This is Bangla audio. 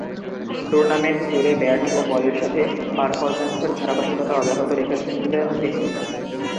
টুর্নামেন্ট জুড়ে ব্যাট ও বলের সাথে পারফরম্যান্সের ধারাবাহিকতা অব্যাহত রেখেছিলেন তিনি।